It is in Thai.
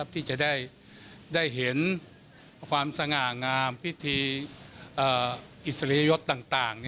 ที่จะได้เห็นความสง่างามพิธีอิสริยยศต่าง